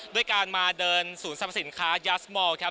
ด้วยการมาเดินศูนย์สรรพสินค้ายาสมอลครับ